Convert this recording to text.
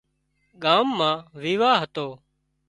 ڳام مان ويواه هتو